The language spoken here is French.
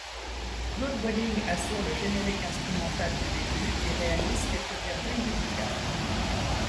Claude Bolling assure le générique instrumental du début et réalise quelques virgules musicales.